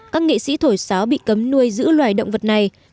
các nghệ sĩ thổi sáo bị cấm nuôi giữ loài động vật này